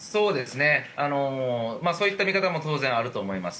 そういった見方も当然あると思います。